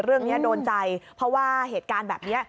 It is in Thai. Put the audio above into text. เรื่องนี้โดนใจเพราะว่าเหตุการณ์แบบนี้